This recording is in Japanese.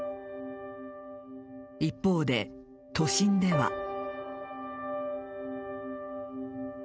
一方で、都心では。